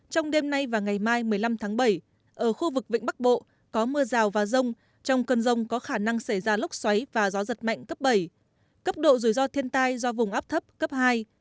trong đêm nay và ngày mai một mươi năm tháng bảy ở khu vực vịnh bắc bộ có mưa rào và rông trong cơn rông có khả năng xảy ra lốc xoáy và gió giật mạnh cấp bảy cấp độ rủi ro thiên tai do vùng áp thấp cấp hai